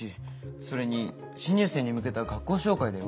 それに新入生に向けた学校紹介だよ？